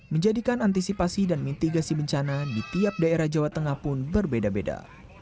menjadikan antisipasi dan mitigasi bencana di tiap daerah jawa tengah pun berbeda beda